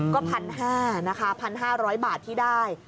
ก็๑๕๐๐นะคะ๑๕๐๐บาทที่ได้